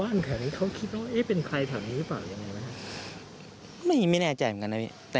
แต่ตอนแห่งเขาดูโบว่าโดนทำร้ายร่างกายมา